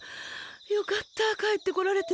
よかったかえってこられて。